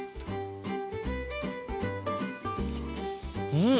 うん！